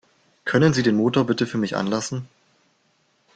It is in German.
Können Sie den Motor bitte für mich anlassen?